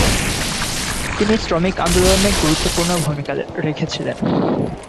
তিনি শ্রমিক আন্দোলনে গুরুত্বপূর্ণ ভুমিকা রেখেছিলেন।